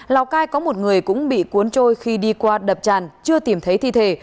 lào cai có một người cũng bị cuốn trôi khi đi qua đập tràn chưa tìm thấy thi thể